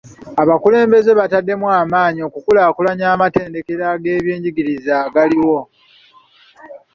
Abakulembeze bataddemu amaanyi okukulaakulanya amatendekero g'ebyenjigiriza agaliwo.